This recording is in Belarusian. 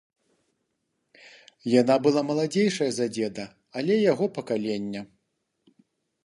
Яна была маладзейшая за дзеда, але яго пакалення.